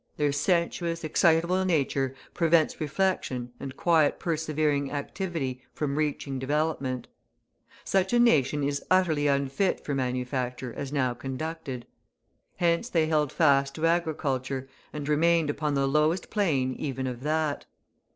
Their sensuous, excitable nature prevents reflection and quiet, persevering activity from reaching development such a nation is utterly unfit for manufacture as now conducted. Hence they held fast to agriculture, and remained upon the lowest plane even of that.